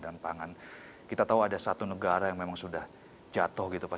dan pangan kita tahu ada satu negara yang memang sudah jatuh gitu pak